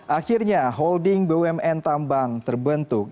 akhirnya holding bumn tambang terbentuk